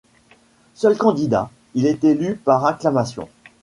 Seul candidat, il est élu par acclamation.